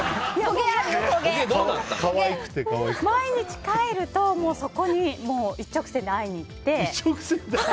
毎日帰るとそこに一直線で会いに行って。